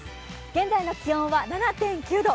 現在の気温は７．９度。